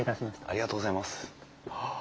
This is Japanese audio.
ありがとうございます。